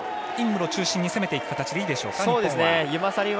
ろ中心に攻めていく形でいいでしょうか日本は。